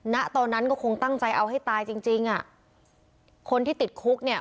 ณตอนนั้นก็คงตั้งใจเอาให้ตายจริงจริงอ่ะคนที่ติดคุกเนี่ย